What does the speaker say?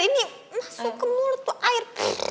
ini masuk ke mulut tuh air